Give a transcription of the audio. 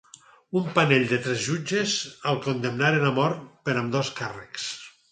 Un panell de tres jutges el condemnaren a mort per ambdós càrrecs.